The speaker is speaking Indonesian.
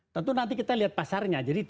tentu nanti kita lihat pasarnya